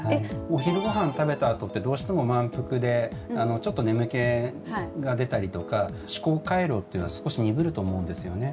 お昼ご飯食べたあとってどうしても満腹でちょっと眠気が出たりとか思考回路っていうのは少し鈍ると思うんですよね。